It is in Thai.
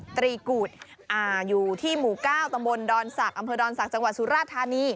ตรีกุฎอยู่ที่หมู่๙ตำบลดอนศักดิ์อำเภอดอนศักดิ์จังหวัดสุราธานี